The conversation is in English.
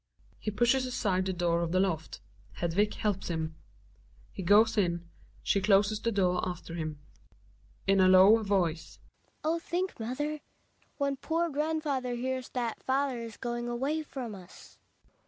He pushes ande the door of the loft, Hedvig helps him; he goes in, she closes the door after him. 118 THE WILD DUCK, Hedvig {in a low voice). Oh, think, mother, when poor grandfather hears that father is going away from us.